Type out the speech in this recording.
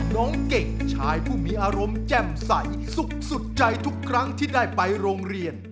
น้องเก่งชายผู้มีอารมณ์แจ่มใสสุขสุดใจทุกครั้งที่ได้ไปโรงเรียน